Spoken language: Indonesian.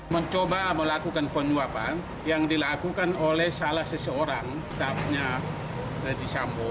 mencoba melakukan penyuapan yang dilakukan oleh salah seseorang stafnya ferdisambo